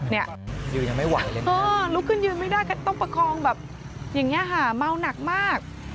เนี่ยลุกขึ้นยืนไม่ได้ต้องประคองแบบอย่างนี้ค่ะเมาหนักมาก